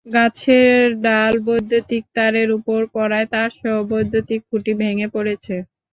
গাছের ডাল বৈদ্যুতিক তারের ওপর পড়ায় তারসহ বৈদ্যুতিক খুঁটি ভেঙে পড়েছে।